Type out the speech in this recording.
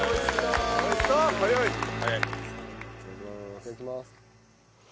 いただきます。